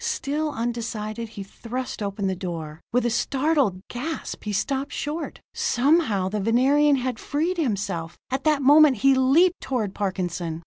Still undecided, he thrust open the door. With a startled gasp he stopped short. Somehow the Venerian had freed himself; at that moment he leaped toward Parkinson.